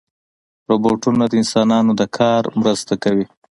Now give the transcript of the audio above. روبوټونه د انسانانو د کار مرسته کوي.